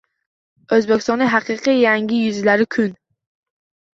O'zbekistonning haqiqiy yangi yuzlari Kun